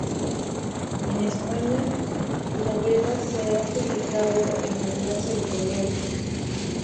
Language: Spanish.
En España, sus novelas se han publicado en Alianza Editorial.